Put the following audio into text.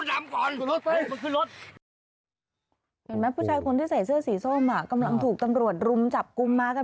เห็นไหมผู้ชายคนที่ใส่เสื้อสีส้มอ่ะกำลังถูกตำรวจรุมจับกลุ่มมากัน